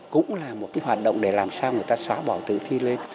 cũng là một cái hoạt động để làm sao người ta xóa bỏ tự ti lên